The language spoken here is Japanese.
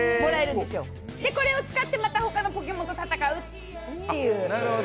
これを使ったまたほかのポケモンと戦うっていう。